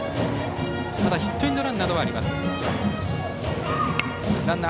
ただヒットエンドランなどはあります。